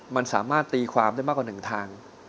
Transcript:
มันสามารถตีความได้มากกว่าหนึ่งทาง